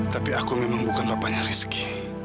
tapi aku memang bukan bapaknya rizky